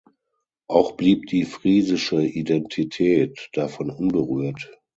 Auch blieb die friesische Identität davon unberührt.